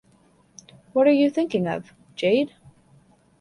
What are you thinking of, Jade?